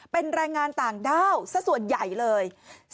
เป็นแรงงานต่างด้าวสักส่วนใหญ่เลย